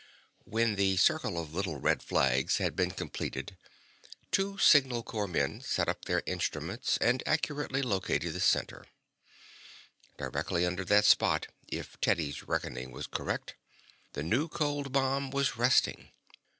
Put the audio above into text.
When the circle of little red flags had been completed, two signal corps men set up their instruments and accurately located the center. Directly under that spot, if Teddy's reasoning was correct, the new cold bomb was resting.